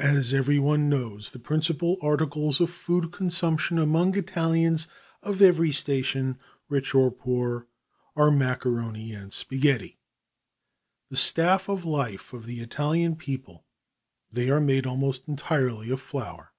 As everyone knows, the principal articles of food consumption among Italians of every station, rich or poor, are macaroni and spaghetti. The staff of life of the Italian people, they are made almost entirely of flour.